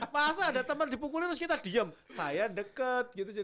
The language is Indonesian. masa ada teman dipukuli terus kita diem